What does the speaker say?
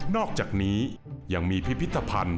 อกจากนี้ยังมีพิพิธภัณฑ์